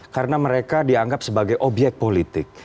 karena mereka dianggap sebagai obyek politik